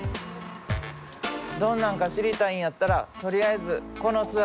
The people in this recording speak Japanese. どんなんか知りたいんやったらとりあえずこのツアーに参加や。